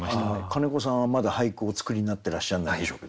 金子さんはまだ俳句をお作りになってらっしゃらないでしょ？